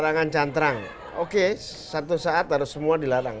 alat canterang oke satu saat harus semua dilarang